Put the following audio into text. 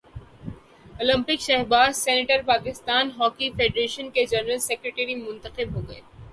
Olympian Shahbaz senior Pakistan hockey federation کے general secretary منتخب ہو گئے